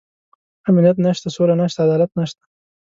امنيت نشته، سوله نشته، عدالت نشته.